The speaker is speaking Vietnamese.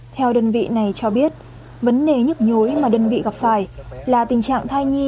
theo đơn vị này cho biết vấn đề nhức nhối mà đơn vị gặp phải là tình trạng thai nhi